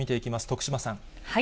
徳島さん。